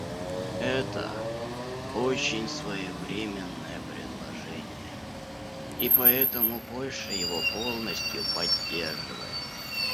Это — очень своевременное предложение, и поэтому Польша его полностью поддерживает.